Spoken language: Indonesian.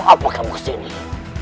apa yang kamu inginkan